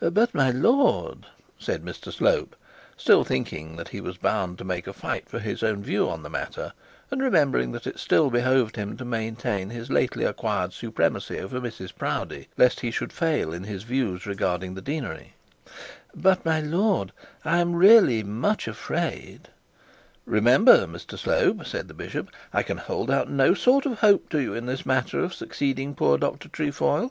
'But, my lord,' said Mr Slope, still thinking that was bound to make a fight for his own view on this matter, and remembering that it still behoved him to maintain his lately acquired supremacy over Mrs Proudie, lest he should fail in his views regarding the deanery, 'but, my lord, I am really much afraid ' 'Remember, Mr Slope, 'I can hold out not sort of hope to you in this matter of succeeding poor Dr Trefoil.